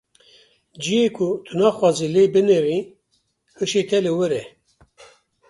Ciyê ku tu naxwazî lê binêrî, hişê te li wir e.